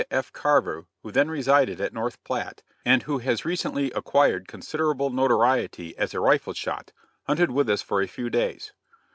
W. F. Carver, who then resided at North Platte, and who has recently acquired considerable notoriety as a rifle shot, hunted with us for a few days.